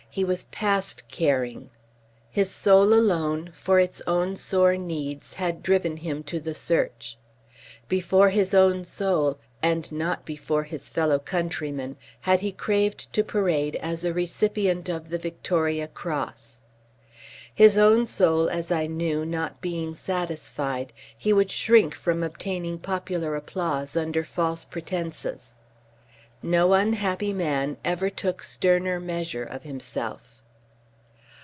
He was past caring. His soul alone, for its own sore needs, had driven him to the search. Before his own soul and not before his fellow countrymen, had he craved to parade as a recipient of the Victoria Cross. His own soul, as I knew, not being satisfied, he would shrink from obtaining popular applause under false pretences. No unhappy man ever took sterner measure of himself.